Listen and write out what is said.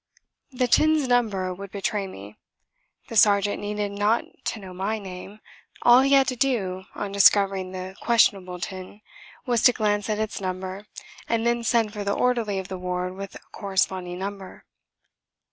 The tin's number would betray me. The sergeant needed not to know my name: all he had to do, on discovering the questionable tin, was to glance at its number and then send for the orderly of the ward with a corresponding number.